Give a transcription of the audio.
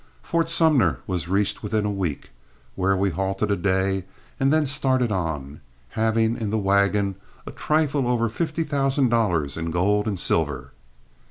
Fort Sumner was reached within a week, where we halted a day and then started on, having in the wagon a trifle over fifty thousand dollars in gold and silver.